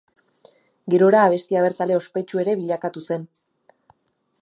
Gerora abesti abertzale ospetsu ere bilakatu zen.